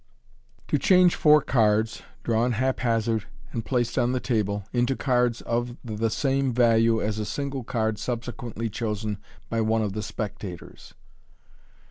to* MODERN MAGIC. To Change Four Cards, drawn haphazard, and placed oh THE TABLE, INTO CARDS OF THE SAME VALUE AS A SlNGLB CARD SUBSEQUENTLY CHOSEN BY ONE OP THE SPECTATORS.